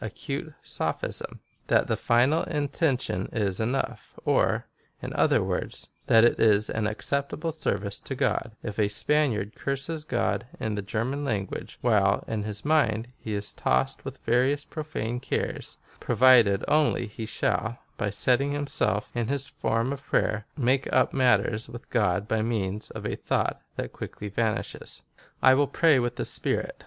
447 acute sophism^ — that the final intention is enough, or, in other words, that it is an acceptable service to God, if a Spaniard curses God in the German language, while in his mind he is tossed with various profane cares, provided only he shall, by setting himself to his form of prayer, make up matters with God by means of a thought that quickly vanishes.^ 15. X willjpray with the spirit.